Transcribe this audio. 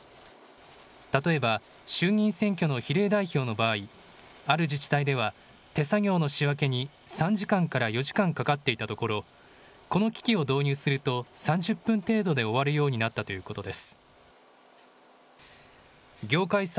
例えば衆議院選挙の比例代表の場合、ある自治体では手作業の仕分けに３時間から４時間かかっていたところ、この機器を導入すると３０分程度で終わるようになったということです。